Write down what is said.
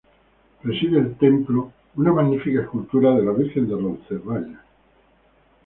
Preside el templo una magnífica escultura de la Virgen de Roncesvalles.